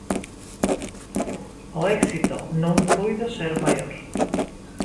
O éxito non puido ser maior.